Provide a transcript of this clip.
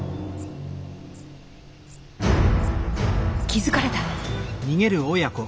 気付かれた！